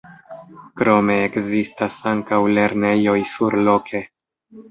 Krome ekzistas ankaŭ lernejoj surloke.